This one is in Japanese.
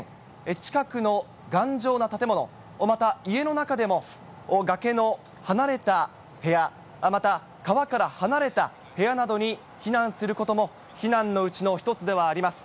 近くの頑丈な建物、また家の中でも、崖の離れた部屋、また川から離れた部屋などに避難することも、避難のうちの一つではあります。